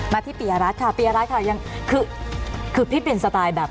ที่ปียรัฐค่ะปียรัฐค่ะยังคือคือพี่เปลี่ยนสไตล์แบบ